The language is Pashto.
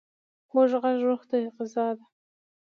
خوږ غږ روح ته غذا ده.